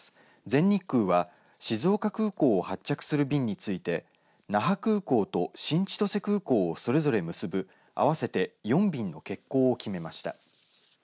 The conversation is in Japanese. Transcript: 全日空は、静岡空港を発着する便について那覇空港と新千歳空港をそれぞれ結ぶ合わせて４便の欠航を決めました。